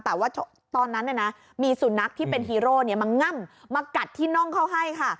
แต่ว่าตอนนั้นมีสุนัขที่เป็นฮีโร่มาง่ำมากัดที่น่องเขาให้ค่ะ